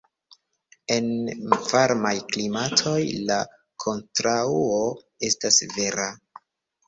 En varmaj klimatoj, la kontraŭo estas vera.